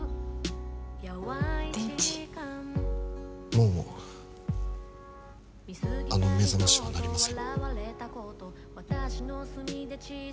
もうあの目覚ましは鳴りません